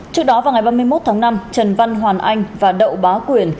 trước đó vào ngày ba mươi một tháng năm trần văn hoàn anh và đậu bá quyền